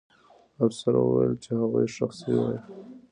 افسر وویل چې که هغوی ښخ سوي وای.